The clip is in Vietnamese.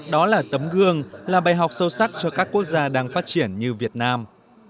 đó là tấm gương là bài học sâu sắc cho các quốc gia đang phát triển như việt nam